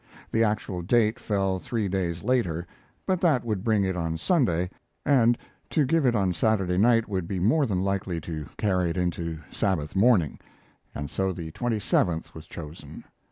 The actual date fell three days later; but that would bring it on Sunday, and to give it on Saturday night would be more than likely to carry it into Sabbath morning, and so the 27th was chosen.